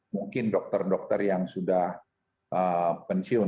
mungkin dokter dokter yang sudah pensiun